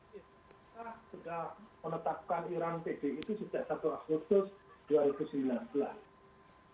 pemerintah sudah menetapkan iuran pd itu sudah satu agustus dua ribu sembilan belas